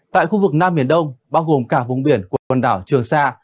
tại khu vực nam biển đông bao gồm cả vùng biển của quần đảo trường sa